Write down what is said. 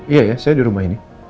iya ya saya di rumah ini